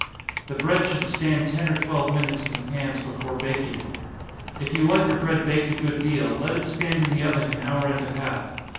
The bread should stand ten or twelve minutes in the pans before baking it. If you like your bread baked a good deal, let it stand in the oven an hour and a half.